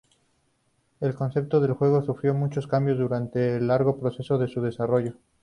El concepto del juego sufrió muchos cambios durante el largo proceso de su desarrollo.